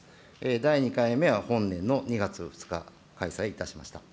第２回目は本年の２月２日、開催いたしました。